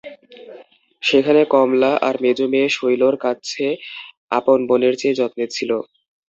সেখানে কমলা, আমার মেজো মেয়ে শৈলর কাছে আপন বোনের চেয়ে যত্নে ছিল।